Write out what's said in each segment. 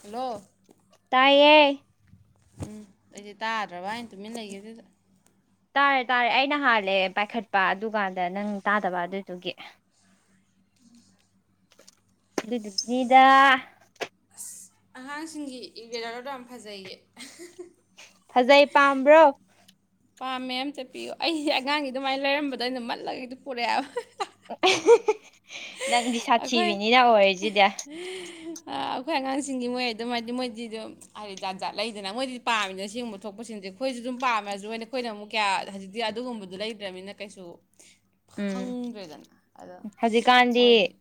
Hello ꯇꯌꯦ ꯎꯝ ꯑꯩꯗꯤ ꯇꯥꯗ꯭ꯔꯕ ꯍꯥꯏꯅ ꯇꯨꯃꯤꯟꯅꯒꯦ ꯑꯗꯨꯗ ꯇꯥꯔꯦ ꯇꯥꯔꯦ ꯑꯩꯅ ꯍꯥꯜꯂꯦ ꯄꯥꯏꯈꯠꯄ ꯑꯗꯨꯀꯥꯟꯗ ꯅꯪ ꯇꯥꯗꯕ ꯑꯗꯨꯗꯨꯒꯤ ꯑꯗꯨꯗꯨꯅꯤꯗ ꯑꯉꯥꯡꯁꯤꯡꯒꯤ ꯏꯒꯦꯔꯥꯗꯣ ꯌꯥꯝ ꯐꯖꯩꯌꯦ ꯐꯖꯩ ꯄꯥꯝꯕ꯭ꯔꯣ ꯄꯥꯝꯃꯦ ꯑꯃ ꯆꯠꯄꯤꯌꯨ ꯑꯩꯁꯦ ꯑꯉꯥꯡꯒꯤ ꯑꯗꯨꯃꯥꯏꯅ ꯂꯩꯔꯝꯕꯗꯣ ꯑꯩꯅ ꯃꯠꯂꯒꯗꯤ ꯄꯨꯔꯛꯑꯦꯕ [unintelligible] ꯅꯪꯗꯤ ꯑꯩꯈꯣꯏ ꯁꯥꯊꯤꯕꯤꯅꯤꯅ ꯑꯣꯏꯔꯤꯁꯤꯗꯤ ꯑꯩꯈꯣꯏ ꯑꯉꯥꯡꯁꯤꯡꯒꯤ ꯃꯣꯏ ꯑꯗꯨꯝ ꯍꯥꯏꯗꯤ ꯃꯣꯏꯗꯤ ꯑꯗꯨꯝ ꯍꯥꯏꯗꯤꯖꯥꯖꯥꯠ ꯂꯩꯗꯅ ꯃꯣꯏꯗꯤ ꯄꯥꯝꯃꯤꯅ ꯁꯦꯡꯕ ꯊꯣꯛꯄꯁꯤꯡꯁꯦ ꯑꯩꯈꯣꯏꯁꯨ ꯑꯗꯨꯝ ꯄꯥꯝꯃꯦ ꯑꯗꯨꯣꯏꯅ ꯑꯩꯈꯣꯏꯅ ꯑꯃꯨꯛ ꯀꯌꯥ ꯍꯧꯖꯤꯛꯇꯤ ꯑꯗꯨꯒꯨꯝꯕꯗꯨꯣ ꯂꯩꯇ꯭ꯔꯅꯤꯅ ꯀꯩꯁꯨ ꯈꯪꯗ꯭ꯔꯦꯗꯅ ꯑꯗꯣ ꯀꯥꯟꯙꯤ ꯃꯣꯏꯗꯤ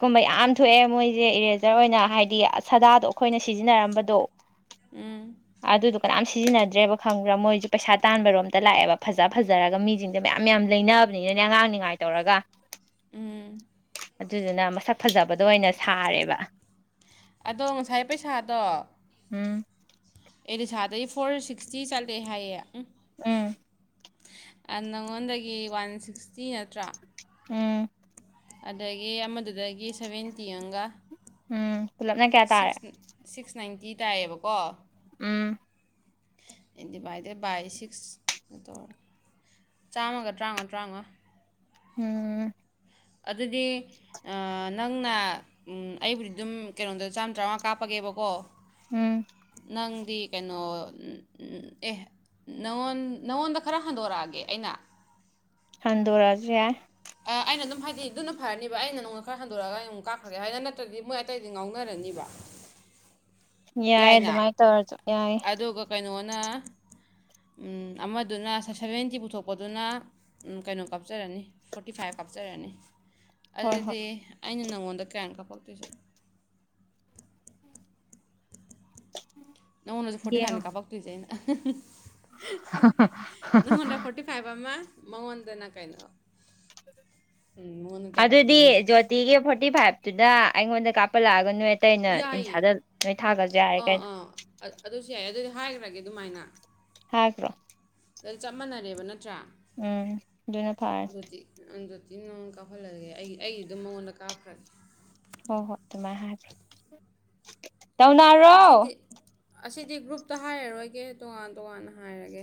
ꯀꯨꯝꯕ ꯌꯥꯝ ꯊꯣꯛꯑꯦ ꯃꯣꯏꯁꯦ ꯏꯔꯦꯖꯔ ꯑꯣꯏꯅ ꯍꯥꯏꯗꯤ ꯁꯥꯗꯥꯗꯣ ꯑꯩꯈꯣꯏꯅ ꯁꯤꯖꯤꯟꯅꯔꯝꯕꯗꯣ ꯑꯗꯨ ꯎꯝ ꯑꯗꯨꯗꯨꯀꯔꯝꯁꯤ ꯁꯤꯖꯤꯟꯅꯗ꯭ꯔꯦꯕ ꯈꯪꯕ꯭ꯔꯥ ꯃꯣꯏꯁꯦ ꯄꯩꯁꯥ ꯇꯥꯟꯕꯔꯣꯝꯇ ꯂꯥꯛꯑꯦꯕ ꯐꯖ ꯐꯖꯔꯒ ꯃꯤꯁꯤꯡꯗꯣ ꯃꯌꯥꯝ ꯃꯌꯥꯝ ꯂꯩꯅꯕꯅꯤꯅꯅꯦ ꯑꯉꯥꯡꯅꯤꯉꯥꯏ ꯇꯧꯔꯒ ꯎꯝ ꯑꯗꯨꯗꯨꯅ ꯃꯁꯛ ꯐꯖꯕꯗ ꯑꯣꯏꯅ ꯁꯥꯔꯦꯕ ꯗꯣ ꯎꯝ ꯑꯦꯔꯤꯁꯥꯗꯒꯤꯩ ꯐꯣꯔ ꯁꯤꯛꯁꯇꯤ ꯆꯠꯂꯦ ꯍꯥꯏꯌꯦ ꯎꯝ ꯎꯝ ꯅꯪꯉꯣꯟꯗꯒꯤ ꯋꯥꯟ ꯁꯤꯛꯁꯇꯤ ꯅꯠꯇ꯭ꯔꯥ ꯎꯝ ꯑꯗꯒꯤ ꯑꯃꯗꯨꯗꯒꯤ ꯁꯚꯦꯟꯇꯤ ꯑꯃꯒ ꯎꯝ ꯄꯨꯂꯞꯅ ꯀꯌꯥ ꯇꯥꯔꯦ ꯁꯤꯛꯁ ꯁꯤꯛꯁ ꯅꯥꯏꯟꯇꯤ ꯇꯥꯏꯌꯦꯕꯀꯣ ꯎꯝ ꯟ ꯗꯤꯚꯥꯏꯗꯦꯠ ꯕꯥꯏ ꯁꯤꯛꯁꯗ ꯆꯥꯝꯃꯒ ꯇꯔꯥꯃꯉꯥ ꯇꯔꯥꯃꯉꯥ ꯎꯝ ꯑꯗꯨꯗꯤ ꯅꯪꯅ ꯑꯩꯕꯨꯗꯤ ꯑꯗꯨꯝ ꯀꯩꯅꯣꯗ ꯆꯥꯝꯃ ꯇꯔꯥꯃꯉꯥ ꯀꯥꯞꯄꯒꯦꯕꯀꯣ ꯎꯝ ꯅꯪꯗꯤ ꯀꯩꯅꯣ ꯑꯦ ꯅꯉꯣꯟ ꯅꯪꯉꯣꯟꯗ ꯈꯔ ꯍꯟꯗꯣꯔꯛꯑꯒꯦ ꯑꯩꯅ ꯊꯟꯗꯔꯖꯤ ꯌꯥ ꯑꯩꯅ ꯑꯗꯨꯝ ꯍꯥꯏꯗꯤ ꯑꯗꯨꯅ ꯐꯔꯅꯤꯕ ꯑꯩꯅ ꯅꯣꯡꯅ ꯈꯔ ꯍꯟꯗꯣꯔꯛꯑꯒ ꯑꯩꯛ ꯀꯥꯈ꯭ꯔꯒꯦ ꯍꯥꯏꯗꯅ ꯅꯠꯇ꯭ꯔꯗꯤ ꯃꯣꯏ ꯑꯇꯩꯗꯤ ꯉꯥꯎꯅꯔꯅꯤꯕ ꯌꯥꯏ ꯌꯥꯏꯅ ꯑꯗꯨꯃꯥꯏꯅ ꯇꯧꯔꯁꯨ ꯌꯥꯏ ꯅ ꯑꯃꯗꯨꯅ ꯁꯚꯦꯟꯇꯤ ꯄꯨꯊꯣꯛꯄꯗꯨꯅ ꯀꯩꯅꯣ ꯀꯥꯞꯆꯔꯅꯤ ꯐꯣꯔꯇꯤ ꯐꯥꯏꯚ ꯀꯥꯞꯆꯔꯅꯤ ꯍꯣꯏ ꯍꯣꯏ ꯑꯗꯨꯗꯤ ꯑꯩꯅ ꯅꯪꯉꯣꯟꯗ ꯀꯌꯥ ꯀꯥꯞꯄꯛꯇꯣꯏꯁꯦ ꯅ ꯎꯅꯖꯤ ꯐꯣꯔꯇꯤ ꯌꯦꯡꯉꯣ ꯐꯥꯏꯅꯦ ꯀꯥꯡꯄ ꯇ꯭ꯔꯤꯁꯦ ꯑꯩꯅꯥ ꯑ ꯅ ꯍꯟꯗ꯭ꯔꯦ ꯐꯣꯔꯇꯤ ꯐꯥꯏꯚ ꯑꯃ ꯃꯉꯣꯟꯗꯅ ꯀꯩꯅꯣ ꯎꯝ, ꯃꯉꯣꯟꯗ ꯀꯌꯥ ꯑꯗꯨꯗꯤ ꯀꯥꯞꯇꯣꯏꯅꯣ ꯑꯩꯁꯦ ꯖꯣꯇꯤꯒꯤ ꯐꯣꯔꯇꯤ ꯐꯥꯏꯚꯇꯨꯗ ꯑꯩꯉꯣꯟꯗ ꯀꯞꯄ ꯂꯥꯒ ꯑꯇꯩꯩꯅ ꯌꯥꯏꯌꯦ ꯏꯟꯁꯥꯗ ꯅꯣꯏ ꯊꯥꯈ꯭ꯔꯁꯨ ꯌꯥꯔꯦ ꯑꯥ ꯀꯩꯅꯣ ꯑꯥ ꯑ- ꯑꯗꯨꯁꯨ ꯌꯥꯏ ꯑꯗꯨꯗꯤ ꯍꯥꯏꯈ꯭ꯔꯒꯦ ꯑꯗꯨꯃꯥꯏꯅ ꯍꯥꯏ꯭ꯔꯣ ꯆꯞ ꯃꯥꯟꯅꯔꯦꯕ ꯅꯠꯇ ꯎꯝ ꯑꯗꯨꯅ ꯐꯥꯔꯠ ꯇꯉ ꯀꯥꯞꯍꯜꯂꯒꯦ ꯑꯩ ꯑꯩꯗꯤ ꯑꯗꯨꯝ ꯃꯉꯣꯟꯗ ꯀꯥꯞꯈ꯭ꯔꯒꯦ ꯍꯣꯏ ꯍꯣꯏ ꯇꯃ ꯍꯥꯏ ꯇꯧꯅꯔꯣ ꯁꯤꯗꯤ ꯑꯁꯤꯗꯤ ꯒ꯭ꯔꯨꯞꯇ ꯍꯥꯏꯔꯔꯣꯏꯒꯦ ꯇꯣꯉꯥꯟ ꯇꯣꯉꯥꯟꯅ ꯍꯥꯏꯔꯒꯦ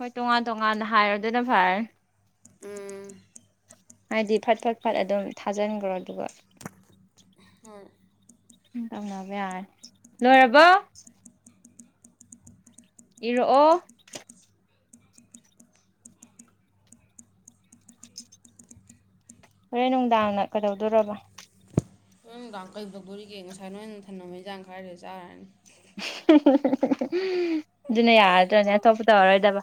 ꯍꯣꯏ ꯇꯣꯉꯥꯟ ꯇꯣꯉꯥꯟꯅ ꯍꯥꯏꯔ ꯑꯗꯨꯣꯏꯅ ꯐꯔꯦ ꯎꯝ ꯍꯥꯏꯗꯤ ꯐꯠ ꯐꯠ ꯐꯠ ꯑꯗꯨꯝ ꯊꯥꯖꯤꯟꯈ꯭ꯔꯣ ꯑꯗꯨꯒ ꯍ [unintelligible] ꯇꯧꯅꯕ ꯌꯥꯔꯦ ꯂꯣꯏꯔꯕꯣ ꯏꯔꯛꯑꯣ ꯍꯣꯔꯦꯟ ꯅꯨꯡꯗꯥꯡꯅ ꯀꯩꯗꯧꯗꯔꯕ ꯅ ꯅꯨꯡꯗꯥꯡ ꯀꯩ ꯇꯧꯗꯣꯔꯤꯒꯦ ꯉꯁꯥꯏ ꯅꯣꯏꯅ ꯊꯟꯅꯅꯕꯩꯖꯥꯡ ꯈꯥꯏꯔꯦ ꯆꯥꯔꯅꯤ ꯎꯝ ꯑꯗꯨꯅ ꯌꯥꯔꯗ꯭ꯔꯅꯦ ꯑꯇꯣꯞꯄ ꯇꯧꯔꯔꯣꯏꯗꯕ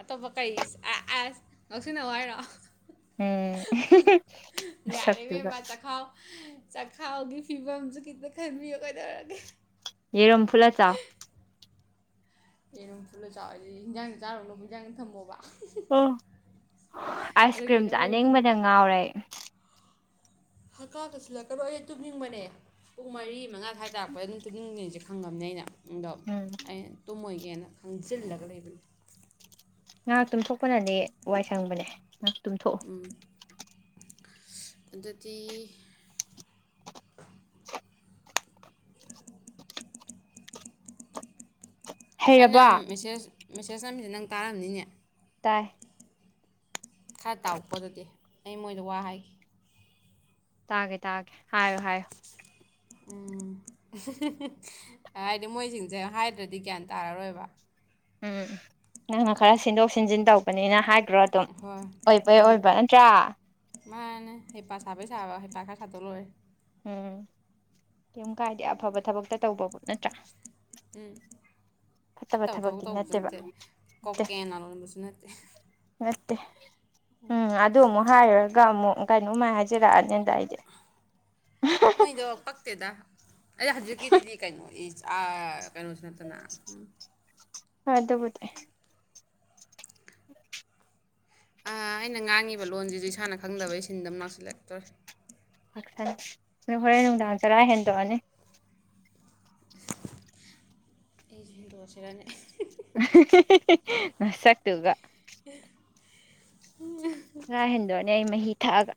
ꯑꯇꯣꯞꯄ ꯀꯩ ꯑ ꯑꯁ ꯉꯧꯁꯤꯟꯅ ꯍꯥꯏꯔꯣ ꯎꯝ ꯌꯥꯔ ꯃꯁꯛꯇꯨꯒ ꯕꯦꯝꯃꯥ ꯆꯈꯥꯎ ꯈꯥꯎꯒꯤ ꯐꯤꯕꯝꯁ ꯀꯤꯅ ꯈꯟꯕꯤꯌꯣ ꯀꯩꯗꯧꯔꯒꯦ ꯌꯦꯔꯨꯝ ꯐꯨꯠꯂ ꯆꯥꯎ ꯑꯦ ꯅꯨꯡꯊꯨꯜꯂ ꯆꯥꯎꯋ ꯑꯩꯗꯤ ꯍꯟꯖꯥꯡꯗ ꯆꯥꯔꯨ ꯂꯣ ꯍꯟꯖꯥꯡꯗ ꯊꯝꯃꯣꯕ ꯑꯣ ꯑꯥꯏꯁ ꯑꯗꯨꯒꯤ ꯀ꯭ꯔꯤꯝ ꯃꯣꯏꯅ ꯆꯥꯅꯤꯡꯕꯅ ꯉꯥꯎꯔꯦ ꯍꯛꯀꯥꯗꯁꯤꯜꯂꯛꯀ꯭ꯔꯣ ꯑꯩꯅ ꯇꯨꯞꯅꯤꯡꯕꯅꯦ ꯄꯨꯡ ꯃꯔꯤ ꯃꯉꯥ ꯁ꯭ꯋꯥꯏ ꯇꯥꯔꯛꯄꯗ ꯑꯗꯨꯝ ꯇꯨꯞꯅꯤꯡꯕꯅꯤꯁꯦ ꯈꯪꯉꯕꯅꯦ ꯑꯩꯅ ꯑꯗꯣ ꯎꯝ ꯑꯩ ꯇꯨꯝꯃꯣꯏꯒꯦꯅ ꯈꯪꯖꯩ ꯤꯜ ꯂꯒꯗꯕ ꯉꯥꯏꯍꯥꯛꯇꯨꯝ ꯊꯣꯛꯣꯛꯄꯅꯗꯤ ꯋꯥꯏ ꯁꯪꯕꯅꯦ ꯇꯨꯝꯊꯣꯛꯑꯣ ꯎꯝ ꯑꯗꯨꯗꯤ ꯑꯩꯅ ꯍꯩꯔꯕꯣ ꯃꯦꯁꯦꯁ ꯃꯦꯁꯦꯖ ꯑꯃꯅꯤꯁꯦ ꯅꯪ ꯇꯥꯔꯝꯅꯤꯅꯦ ꯇꯏ ꯈꯔ ꯇꯥꯔꯛꯄꯗꯗꯤ ꯑꯩ ꯃꯣꯏꯗ ꯋꯥ ꯍꯥꯏꯈꯤ ꯇꯥꯒꯦ ꯇꯥꯒꯦ ꯍꯥꯏꯌꯣ ꯍꯥꯏꯌꯣ ꯎꯝ ꯍꯥꯏꯗꯤ ꯃꯣꯏꯁꯤꯡꯁꯦ ꯍꯥꯏꯗ꯭ꯔꯗꯤ ꯒ꯭ꯌꯥꯟ ꯇꯥꯔꯔꯣꯏꯕ ꯎꯝ ꯅꯪꯅ ꯈꯔ ꯁꯤꯟꯗꯣꯛ ꯁꯤꯟꯖꯤꯟ ꯇꯧꯕꯅꯤꯅ ꯣ ꯑꯗꯨꯝ ꯍꯣꯏ ꯑꯣꯏꯕꯩ ꯎꯝ ꯑꯣꯏꯕ ꯅꯠꯇ꯭ꯔꯥ ꯃꯥꯅꯦ ꯍꯦꯄꯥ ꯁꯥꯕꯩ ꯆꯥꯕ ꯍꯦꯞꯥꯛ ꯈꯥ ꯆꯗꯣ ꯂꯣꯏꯔꯦ ꯎꯝ ꯀꯩꯝ ꯀꯥꯏꯗꯦ ꯑꯐꯕ ꯊꯕꯛꯇ ꯇꯧꯕ ꯄꯣꯠ ꯅꯠꯇ꯭ꯔꯥ ꯎꯝ ꯐꯠꯇꯕ ꯊꯕꯛꯇꯤ ꯅꯠꯇꯦꯕ ꯅꯠꯇꯦ ꯀꯣꯀꯦꯟ ꯂꯥꯂꯣꯟꯕꯁꯨ ꯅꯠꯇꯦ ꯅꯠꯇꯦ ꯎꯝ ꯑꯗꯨ ꯑꯃꯨꯛ ꯍꯥꯏꯔꯒ ꯑꯃꯨꯛ ꯀꯩꯅꯣꯃꯥꯏ ꯍꯥꯏꯖꯔꯛꯑꯅꯤ ꯑꯗ ꯑꯩꯗꯤ ꯃꯣꯏꯗꯣ ꯄꯛꯛꯇꯦꯗ ꯑꯩ ꯍꯧꯟꯖꯤꯛꯀꯤꯗꯨꯗꯤ ꯀꯩꯅꯣ ꯏꯁ ꯀꯩꯅꯣꯁꯨ ꯅꯠꯇꯅ ꯎ ꯑ ꯑꯗꯨꯕꯨꯗꯦ [inaudible] ꯑꯩꯅ ꯉꯥꯡꯉꯤꯕ ꯂꯣꯟꯁꯤꯁꯨ ꯏꯁꯥꯅ ꯈꯪꯗꯕꯩ ꯁꯤꯟꯗꯧꯅꯎꯁꯤꯂꯦꯛꯇꯔꯤꯦ ꯅ ꯍꯣꯔꯦꯟ ꯅꯨꯡꯗꯥꯡ ꯆꯔꯥ ꯍꯦꯟꯗꯣꯛꯑꯅꯤ ꯗꯣ ꯆꯩꯔꯅꯤ ꯃꯁꯥꯛꯇꯒ ꯎ ꯆꯔꯥ ꯍꯦꯟꯗꯣꯛꯑꯅꯦ ꯑꯩ ꯃꯍꯤ ꯊꯛꯑꯒ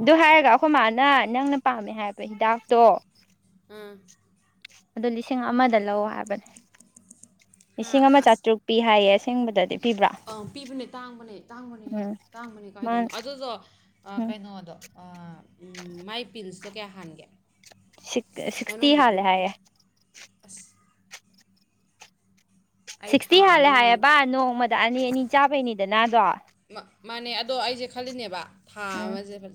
ꯑꯗꯨ ꯍꯥꯏꯔꯒ ꯑꯩꯈꯣꯏ ꯃꯥꯅ ꯅꯪꯅ ꯄꯥꯝꯃꯦ ꯍꯥꯏꯄ ꯍꯤꯗꯥꯛꯇꯣ ꯎꯝ ꯑꯗꯨ ꯂꯤꯁꯤꯡ ꯑꯃꯗ ꯂꯧ ꯍꯥꯏꯕꯅꯦ ꯂꯤꯁꯤꯡ ꯑꯃ ꯆꯥꯇ꯭ꯔꯨꯛ ꯄꯤ ꯍꯥꯏꯌꯦ ꯍꯤꯡꯕꯗꯗꯤ ꯑꯪ ꯄꯤꯕꯅꯦ ꯇꯥꯡꯕꯅꯦ ꯇꯥꯡꯕꯅꯦꯍꯦ ꯎꯝ ꯇꯥꯡꯕꯅꯦ ꯃꯥ ꯀꯥꯏꯗꯣꯏꯅꯣ ꯑꯗꯨꯗꯣ ꯎꯝ ꯀꯩꯅꯣꯗꯣ ꯃꯥꯏ ꯄꯤꯜꯁꯇꯣ ꯀꯌꯥ ꯍꯥꯟꯒꯦ ꯁ ꯁꯁꯇ ꯃꯅꯨꯡꯗ ꯍꯜ ꯒꯨꯂꯤ ꯍꯥꯏꯌꯦ ꯑꯁ ꯑꯩ ꯊꯥ ꯁꯤꯛꯁꯇꯤ ꯍꯥꯜꯂꯦ ꯑꯃꯃꯨꯛ ꯍꯥꯏꯌꯦꯕ ꯅꯣꯡꯃꯗ ꯑꯅꯤ ꯑꯅꯤ ꯆꯥꯕꯩꯅꯤꯗꯅꯗꯣ ꯃꯥꯅꯦ ꯑꯗꯣ ꯑꯩꯁꯦ ꯈꯜꯂꯤꯅꯦꯕ ꯎꯝ ꯊꯥꯦ ꯐ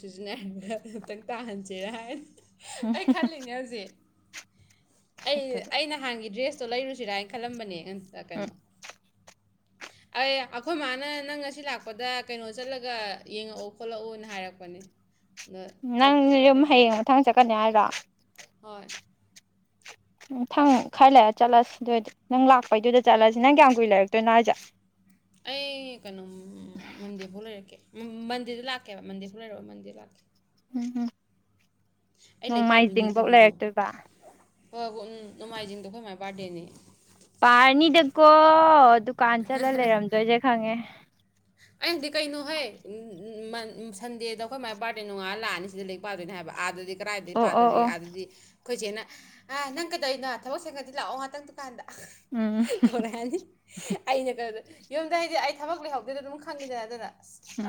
ꯁꯤꯁꯤꯅ ꯈꯔ ꯑꯃꯨꯛꯇꯪ ꯇꯥꯍꯟꯁꯤꯦꯔ ꯍꯥꯏꯅ ꯎꯝ ꯑꯩ ꯈꯜꯂꯤꯅꯦ ꯍꯧꯖꯤꯛ ꯑꯩ ꯁꯛꯇꯨꯒ ꯑꯩ ꯅꯍꯥꯟꯒꯤ ꯗ꯭ꯔꯦꯁ ꯑꯣ ꯂꯩꯔꯨꯁꯤꯔꯥ ꯍꯥꯏꯅ ꯈꯜꯂꯝꯕꯅꯦ ꯇ ꯎꯝ ꯀꯩꯅꯣ ꯑꯦ ꯑꯩꯈꯣꯏ ꯃꯥꯅ ꯅꯪ ꯉꯁꯤ ꯂꯥꯛꯄꯗ ꯀꯩꯅꯣ ꯆꯠꯂꯒ ꯌꯦꯡꯉꯛꯑꯣ ꯈꯣꯠꯂꯛꯑꯣꯅ ꯍꯥꯏꯔꯛꯄꯅꯦ ꯑꯗ ꯅꯪ ꯆꯠꯇ꯭ꯔꯦ ꯌꯨꯝ ꯑꯩꯁꯨ ꯍꯌꯦꯡ ꯃꯊꯪ ꯆꯠꯀꯅꯤ ꯍꯥꯏꯔꯣ ꯍꯣꯏ ꯝ ꯊꯪ ꯈꯔ ꯂꯩꯔ ꯆꯠꯂꯁꯤ ꯑꯗꯨꯏ ꯅꯪ ꯂꯥꯛꯄꯩꯗꯨꯗ ꯆꯠꯂꯁꯤ ꯅꯪ ꯀꯌꯥꯝ ꯀꯨꯏ ꯂꯩꯔꯛꯇꯣꯏꯅꯣ ꯍꯥꯏꯁꯦ ꯑꯩ ꯀꯩꯅꯣ ꯃꯟꯗꯦꯐꯥꯎ ꯂꯩꯔꯛꯀꯦ ꯎ ꯃꯟꯗꯦꯗ ꯂꯥꯛꯀꯦꯕ ꯃꯟꯗꯦꯐꯥꯎ ꯂꯩꯔꯒ ꯃꯟꯗꯦꯗ ꯂꯥꯛꯀꯦ ꯎꯝ ꯎꯝ ꯑꯩ ꯂꯥꯏꯔꯤꯛ ꯄꯥꯗꯣꯏꯅꯤ ꯅꯣꯡꯃꯥꯏꯖꯤꯡꯐꯧ ꯀꯔꯤꯅꯣ ꯂꯩꯔꯛꯇꯣꯏꯕ ꯍꯣꯏ ꯍ ꯅꯣꯡꯃꯥꯏꯖꯤꯡꯗꯣ ꯑꯩꯈꯣꯏ ꯃꯥꯏ ꯕꯥꯔꯗꯦꯅꯦ ꯄꯅꯤꯗꯀꯣ ꯑꯗꯤ ꯀꯩꯅ ꯍꯣꯏ ꯎ ꯁꯟꯗ ꯑꯩꯈꯣꯏ ꯃ ꯃꯥꯥꯏ ꯕꯥꯔꯗꯦꯅꯨꯡꯉꯥꯂ ꯂꯑ ꯁꯤꯗ ꯂꯛ ꯄꯥꯗꯣꯏꯅꯦ ꯍꯥꯏꯕ ꯑꯥꯗꯗꯤ ꯀꯔꯥꯏꯗꯒꯤ ꯑꯣ ꯑꯣ ꯄꯥꯗꯣꯏꯔꯤꯒꯦ ꯑꯣ ꯑꯗꯨꯗꯤ ꯑꯩꯈꯣꯏꯁꯦꯅ ꯑ ꯅꯪ ꯀꯩꯗꯧꯔꯤꯅꯣ ꯊꯕꯛ ꯁꯦꯡꯒꯗꯤ ꯂꯥꯛꯑꯣ ꯉꯍꯥꯛꯇꯪ ꯗꯨꯀꯥꯟꯗ ꯎꯝ ꯇꯧꯔꯛꯑꯅꯤ ꯑꯩꯅ ꯀ ꯌꯨꯝꯗ ꯍꯥꯏꯗꯤ ꯑꯩ ꯊꯕꯛ ꯂꯩꯍꯧꯗꯦꯗꯣ ꯑꯗꯨꯝ ꯈꯪꯉꯤꯗꯅ ꯑꯗꯨꯅ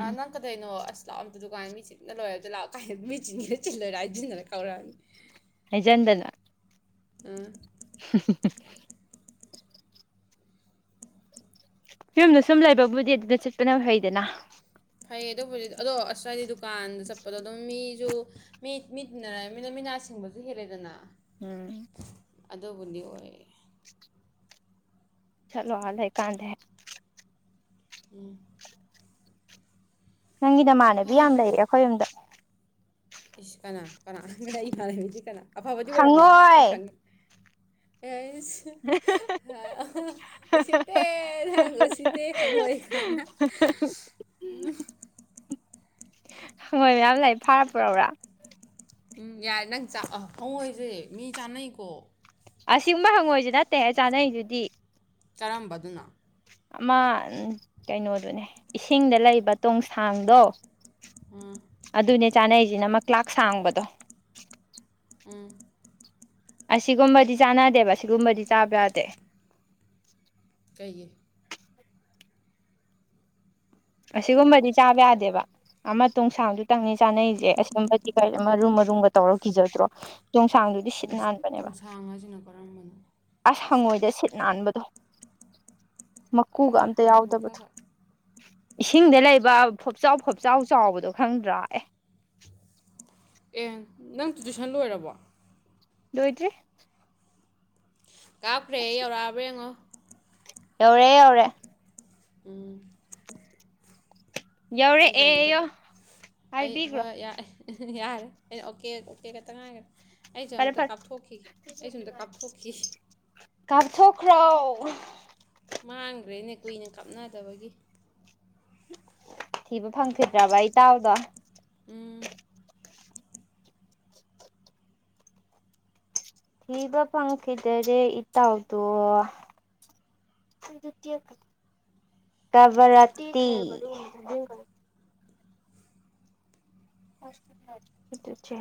ꯑ ꯅꯪ ꯀꯗꯩꯅꯣ ꯑꯁ ꯂꯥꯛ ꯑꯝꯇ ꯗꯨꯀꯥꯟꯅꯤ ꯃꯤꯆꯤꯅ ꯂꯣꯏꯔꯦꯗ ꯂꯥꯛꯑꯣ ꯀꯥꯏ ꯃꯤꯆꯤꯟꯅꯤꯒ ꯆꯤꯜꯂꯣꯏꯔꯦ ꯍꯥꯏꯗꯤꯗꯅ ꯀꯧꯔꯛꯑꯅꯤ ꯍꯖꯟꯗꯂ ꯎꯝ [unintelligible] ꯌꯨꯝꯗ ꯁꯨꯝ ꯂꯩꯕꯕꯨꯗꯤ ꯑꯗꯨꯅ ꯆꯠꯄꯅ ꯍꯩꯗꯅ ꯑꯩꯌꯦ ꯑꯗꯨꯕꯨ ꯑꯗꯣ ꯑꯁꯋꯥꯏꯗꯤ ꯗꯨꯀꯥꯟꯗ ꯆꯠꯄꯗꯣ ꯑꯗꯨꯝ ꯃꯤꯁꯨ ꯃꯤ ꯃꯤ ꯇꯤꯟꯅꯔ ꯃꯤꯅ ꯃꯤꯅꯥ ꯁꯤꯡꯕꯁꯨ ꯍꯦꯜꯂꯦꯗꯅ ꯎꯝ ꯑꯗꯨꯕꯨꯗꯤ ꯑꯣꯏ ꯆꯂꯣ ꯑꯂꯦ ꯀꯥꯟꯗꯦ ꯎꯝ ꯅꯪꯒꯤ ꯅꯃꯥꯟꯅꯕꯤ ꯑꯥ ꯌꯥꯝ ꯂꯩꯔꯦ ꯑꯩꯈꯣꯏꯔꯣꯝꯗ ꯏꯁ ꯀꯅꯥ ꯀꯅꯥ ꯉ ꯈꯦꯗꯤ ꯀꯅꯥ ꯑꯐꯕꯗꯤ ꯑꯣꯏꯔꯝꯃꯣꯏ ꯑꯩ ꯍꯪꯉꯣꯏ ꯈꯪꯉꯤ ꯑꯦ ꯎꯁꯤꯠꯇꯦ ꯅꯍꯪ ꯎꯁꯤꯠꯇꯦ ꯍꯪꯉꯣꯏ ꯍꯥꯌꯅꯥ ꯎ ꯍꯣꯏ ꯃꯌꯥꯝ ꯂꯩ ꯐꯥꯔ ꯄꯨꯕ꯭ꯔꯥ ꯎꯝ ꯌꯥꯔꯦ ꯅꯪ ꯐꯪꯉꯣꯏꯁꯦ ꯃꯤ ꯆꯥꯅꯩꯀꯣ ꯑꯦꯡꯕ ꯍꯪꯉꯣꯏꯁ ꯅꯠꯇꯦ ꯆꯥꯅꯩꯗꯨꯗꯤ ꯆꯥꯔꯝꯕꯗꯨꯅ ꯑꯃ ꯀꯩꯅꯣꯗꯨꯅꯦ ꯏꯁꯤꯡꯗ ꯂꯩꯕ ꯇꯣꯡꯁꯥꯡꯗꯣ ꯑ ꯑꯗꯨꯅꯦ ꯆꯥꯅꯩꯁꯤꯅ ꯃꯥꯛ ꯁꯥꯡꯕꯗꯣ ꯎꯝ ꯑꯁꯤꯒꯨꯝꯕꯗꯤ ꯆꯥꯟꯅꯗꯦꯕ ꯑꯁꯤꯒꯨꯝꯕꯗꯤ ꯆꯥꯕ ꯌꯥꯗꯦ ꯀꯩꯌꯦ ꯑꯁꯤꯒꯨꯝꯕꯗꯤ ꯆꯥꯕ ꯌꯥꯗꯦꯕ ꯑꯃꯇꯣꯡ ꯁꯥꯡꯗꯨꯇꯪꯅꯤ ꯆꯥꯅꯩꯁꯦ ꯑꯁꯤꯒꯨꯝꯕꯗꯤ ꯀꯔꯤ ꯃꯔꯨꯝ ꯃꯔꯨꯝꯒ ꯇꯧꯔ ꯀꯖꯗ꯭ꯔꯣ ꯆꯣꯡꯁꯥꯡꯗꯨꯗꯤ ꯁꯤꯠ ꯇꯣꯡꯁ ꯅꯥꯟꯕꯅꯦꯕ ꯇꯣꯡꯁꯥꯡ ꯍꯥꯏꯁꯤꯅ ꯀꯔꯝꯕꯅꯣ ꯑꯁ ꯍꯪꯉꯣꯏꯗ ꯁꯤꯠ ꯅꯥꯟꯕꯕꯗꯣ ꯃꯀꯨꯒ ꯈꯪꯗꯦꯗ ꯑꯝꯇ ꯍꯪꯉꯣꯏ ꯌꯥꯎꯗꯕꯗꯣ ꯃꯈꯜꯒ ꯏꯁꯤꯡꯗ ꯂꯩꯕ ꯄꯣꯞꯆꯥꯎ ꯐꯣꯞꯆꯥꯎ ꯆꯥꯎꯕꯗꯣ ꯈꯪꯗ꯭ꯔꯥ ꯑꯦ ꯑꯦ ꯅꯪ ꯇꯨꯏꯁꯟ ꯂꯣꯏꯔꯕꯣ ꯂꯣꯏꯗꯔꯤ ꯀꯥꯞꯈ꯭ꯔꯦ ꯌꯧꯔꯛꯑꯕ꯭ꯔꯥ ꯌꯦꯡꯉꯣ ꯌꯧꯔꯦ ꯌꯧꯔꯦ ꯎꯝ ꯑꯩꯁꯨ ꯌꯧꯔꯛꯑꯦ ꯑꯝꯇ ꯌꯣ ꯑꯩ ꯍꯥꯏꯕꯤꯈ꯭ꯔꯣ ꯍꯣꯏ ꯌꯥ ꯌꯥꯔꯦ ꯑꯩꯅ ꯑꯣꯀꯦ ꯑꯣꯀꯦ ꯈꯛꯇꯪ ꯉꯥꯏꯈ꯭ꯔꯦ ꯑꯩꯁꯨꯦ ꯐꯔꯦ ꯑꯝꯇ ꯐꯔꯦ ꯀꯥꯞꯊꯣꯛꯈꯤ ꯑꯩꯁꯨ ꯑꯝꯇ ꯀꯥꯞꯊꯣꯛꯈꯤ ꯀꯔꯊꯣꯛ ꯔꯥꯎ ꯃꯥꯡꯈ꯭ꯔꯦꯅꯦ ꯀꯨꯏꯅ ꯀꯥꯞꯅꯗꯕꯒꯤ ꯊꯤꯕ ꯐꯪꯈꯤꯗ꯭ꯔꯕ ꯏꯇꯥꯎꯗꯣ ꯎꯝ ꯊꯤꯕ ꯐꯪꯈꯤꯗꯔꯦ ꯏꯇꯥꯎꯗꯣ ꯀꯚꯔꯠꯇꯤ ꯍꯆ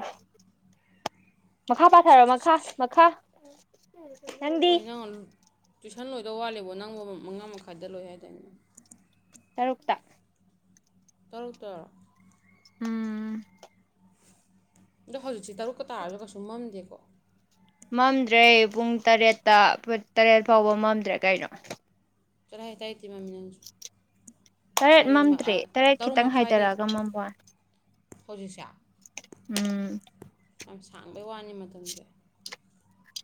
ꯃꯈꯥ ꯄꯥꯊꯔꯣ ꯃꯈꯥ ꯃꯈꯥ ꯎꯝ ꯎꯝ ꯀꯅ ꯏꯊꯟ ꯂꯣꯏꯗ ꯋꯥꯠꯂꯦꯕꯣ ꯅꯪ ꯃ ꯃꯉꯥ ꯃꯈꯥꯏꯗ ꯂꯣꯏ ꯍꯥꯏꯇꯥꯅꯦ ꯇꯔꯨꯛꯇ ꯇꯔꯨꯛ ꯇꯔꯛ ꯎꯝ ꯍꯣꯏ ꯑꯁꯤ ꯇꯔꯨꯛꯀ ꯇꯥꯔꯒꯁꯨ ꯀꯩꯁꯨ ꯃꯝꯗꯦꯀꯣ ꯃꯝꯗ꯭ꯔꯦ ꯄꯨꯡ ꯇꯔꯦꯠꯇ ꯇꯔꯦꯠ ꯐꯥꯎꯕ ꯃꯝꯗ꯭ꯔꯦ ꯀꯩꯅꯣ ꯆꯔ ꯍꯥꯏꯥꯏ ꯇꯥꯏ ꯇꯔꯦꯠ ꯃꯝꯗ꯭ꯔꯤ ꯇꯔꯦꯠ ꯈꯤꯇꯪ ꯍꯥꯏꯊꯔꯛꯑꯒ ꯃꯝꯣꯏ ꯍꯖꯤꯁ ꯎꯝ ꯌꯥꯝ ꯁꯥꯡꯕꯩ ꯋꯥꯅꯤ ꯃꯇꯝꯁꯦ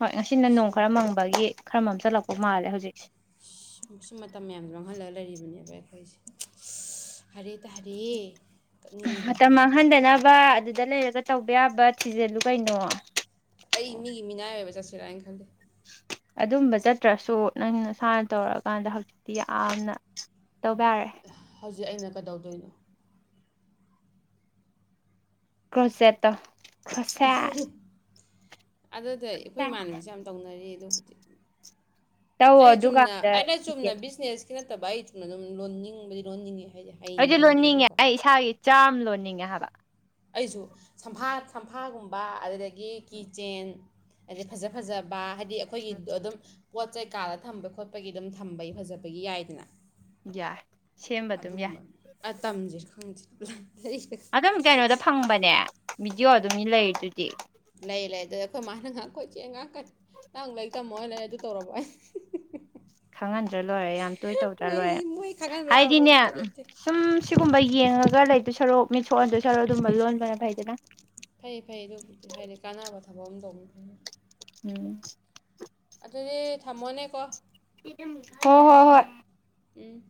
ꯍꯣꯏ ꯉꯁꯤꯅ ꯅꯣꯡ ꯁꯤ ꯈꯔ ꯃꯪꯕꯒꯤ ꯈꯔ ꯃꯝ ꯆꯠꯂꯛꯄ ꯃꯥꯜꯂꯦ ꯍꯧꯖꯤꯛꯁꯦ ꯁꯤ ꯃꯇꯝ ꯃꯌꯥꯝꯁꯦ ꯃꯥꯡꯍꯜꯂꯒ ꯂꯩꯔꯤꯕꯅꯦꯕ ꯑꯩꯈꯣꯏꯁꯦ ꯍꯥꯏꯔꯤ ꯇꯥꯔꯤ ꯃꯇꯝ ꯃꯥꯡꯍꯟꯗꯅꯕ ꯑꯗꯨꯗ ꯂꯩꯔꯒ ꯇꯧꯕ ꯌꯥꯕ ꯊꯤꯖꯤꯜꯂꯨ ꯀꯩꯅꯣ ꯑꯩ ꯃꯤꯒꯤ ꯃꯤꯅꯥꯏ ꯑꯣꯏꯕ ꯆꯠꯁꯤꯔꯥ ꯍꯥꯏꯅ ꯈꯜꯂꯤꯦ ꯑꯗꯨꯝꯕ ꯆꯠꯇ꯭ꯔꯁꯨ ꯅꯪ ꯅꯁꯥꯅ ꯇꯧꯔꯛꯑꯀꯥꯟꯗ ꯍꯧꯖꯤꯛꯇꯤ ꯌꯥꯝꯅ ꯇꯧꯕ ꯌꯥꯔꯑꯦ ꯍꯧꯖꯤꯛ ꯑꯩꯅ ꯀꯩꯗꯧꯗꯣꯏꯅꯣ ꯀꯣꯁꯦꯇꯥ ꯑꯁꯦ ꯑꯗꯨꯗ ꯑꯩꯈꯣꯏ ꯏꯃꯥꯟꯅꯕꯤꯁꯦ ꯌꯥꯝ ꯇꯧꯅꯔꯤ ꯑꯦꯗꯨꯕꯨꯗꯤ ꯇꯧꯋꯣ ꯑꯩ ꯆꯨꯝꯅ ꯑꯗꯨꯀꯥꯟꯗ ꯑꯩꯅ ꯆꯨꯝꯅ ꯊꯤꯖꯤꯟ ꯕꯤꯖꯤꯅꯦꯁꯀꯤ ꯕꯥꯏ ꯂꯣꯟꯤꯡ ꯂꯣꯟꯖꯤꯡ ꯑꯩꯗꯤ ꯂꯣꯏꯅꯤꯡꯉꯦ ꯑꯩ ꯏꯁꯥꯒꯤ ꯆꯥꯝ ꯅꯤꯡꯉ ꯍꯥꯏ ꯑꯩꯁꯨ ꯁꯝꯐꯥ ꯁꯝꯐꯥꯒꯨꯝꯕ ꯑꯗꯨꯗꯒꯤ ꯔ ꯀꯤꯆꯦꯟ ꯍꯥꯏꯗꯤ ꯐꯖ ꯐꯖꯕ ꯍꯥꯏꯗꯤ ꯍꯥꯏꯗꯤ ꯑꯩꯈꯣꯏꯒꯤ ꯑꯗꯨꯝ ꯄꯣꯠ ꯆꯩꯩ ꯀꯥꯗ ꯊꯝꯕ ꯈꯣꯠꯄꯒꯤ ꯑꯗꯨꯝ ꯊꯝꯕꯒꯤ ꯐꯖꯕꯒꯤ ꯌꯥꯏꯗꯅ ꯌꯥꯏ ꯁꯦꯝꯕ ꯑꯗꯨꯝ ꯌꯥꯏ ꯑ ꯇꯝꯁꯤꯦ ꯈꯪꯗ ꯑꯗꯨꯝ ꯀꯩꯅꯣꯗ ꯐꯪꯕꯅꯦ ꯚꯗꯤꯑꯣꯗ ꯑꯗꯨꯅꯤ ꯂꯥꯏꯇꯗꯤ ꯂꯩ ꯂꯩ ꯑꯗꯨꯗ ꯑꯩꯈꯣꯏ ꯃꯥꯅ ꯉꯥꯏꯍꯥꯛꯈꯣꯏ ꯆꯦ ꯉꯥꯏꯍꯥꯛꯀ ꯇꯪ ꯂꯩ ꯇꯝꯃꯣ ꯍꯥꯏ ꯂꯩ ꯑꯗꯨ ꯇꯧꯔꯕ ꯑꯩ ꯈꯪꯍꯟꯗ꯭ꯔꯥ ꯂꯣꯏꯔꯦ ꯌꯥꯝ ꯇꯣꯏ ꯇꯧꯗ꯭ꯔꯥ ꯃꯣꯏ ꯂꯣꯏꯔꯦ ꯃꯣꯏ ꯈꯪꯍꯟꯕ ꯌꯥꯕ ꯍꯥꯏꯗꯤꯅꯦ ꯑꯝꯇ ꯅꯠꯇꯦ ꯁꯨꯝ ꯁꯤꯒꯨꯝꯕ ꯌꯦꯡꯉꯒ ꯈꯔ ꯂꯩꯗ ꯁꯔꯨꯛ ꯃꯤꯠ ꯁꯣꯛꯍꯟꯗ ꯁꯔꯣ ꯑꯗꯨꯝꯕ ꯂꯣꯟꯕꯅ ꯐꯩꯗꯅ ꯐꯩ ꯐꯩ ꯑꯗꯨꯕꯨꯗꯤ ꯍꯥꯏꯗꯤ ꯀꯥꯟꯅꯕ ꯊꯕꯛ ꯑꯃ ꯇꯧꯅꯤ ꯎꯝ ꯑꯗꯨ ꯑꯗꯨꯗꯤ ꯊꯝꯃꯅꯦ ꯀꯣ ꯍꯣ ꯍꯣ ꯍꯣꯏ꯫ ꯎꯝ